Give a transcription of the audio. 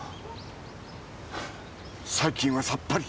最近はさっぱり。